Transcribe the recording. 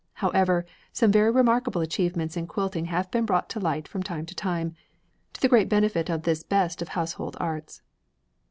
However, some very remarkable achievements in quilting have been brought to light from time to time, to the great benefit of this best of household arts.